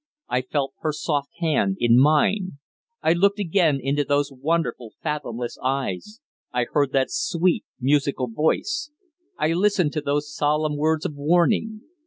I felt her soft hand in mine. I looked again into those wonderful, fathomless eyes; I heard that sweet, musical voice; I listened to those solemn words of warning.